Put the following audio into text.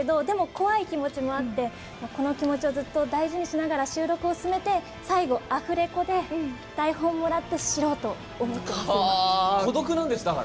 でも、怖い気持ちもあってこの気持ちをずっと大切にしながら収録を続けて最後、アフレコで台本もらって知ろうと思っています。